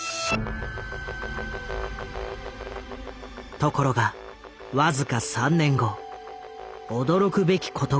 ところが僅か３年後驚くべきことが起きる。